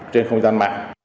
trên không gian mạng